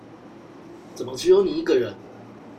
怎麼只有你一個人